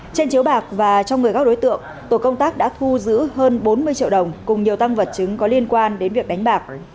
trên chiếu bạc và trong người các đối tượng tổ công tác đã thu giữ hơn bốn mươi triệu đồng cùng nhiều tăng vật chứng có liên quan đến việc đánh bạc